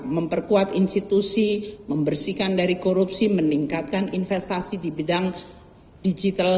memperkuat institusi membersihkan dari korupsi meningkatkan investasi di bidang digital